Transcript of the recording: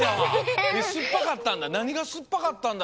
えっすっぱかったんだ？